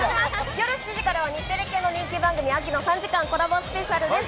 夜７時からは日テレ系の人気番組・秋の３時間コラボスペシャルです。